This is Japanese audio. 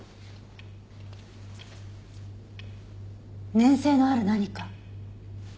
粘性のある何か。